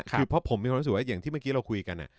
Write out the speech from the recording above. คือเพราะผมมีความรู้สึกว่าอย่างที่เมื่อกี้เราคุยกัน